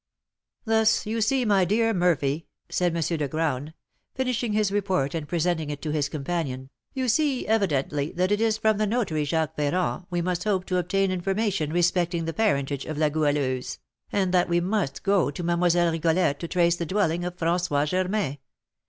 "Thus you see, my dear Murphy," said M. de Graün, finishing his report and presenting it to his companion, "you see evidently that it is from the notary, Jacques Ferrand, we must hope to obtain information respecting the parentage of La Goualeuse, and that we must go to Mlle. Rigolette to trace the dwelling of François Germain.